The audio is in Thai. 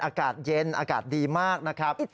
อากาศเย็นอากาศดีมากนะครับ